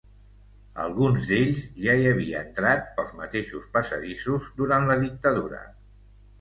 Alguns d’ells, ja hi havia entrat pels mateixos passadissos durant la dictadura.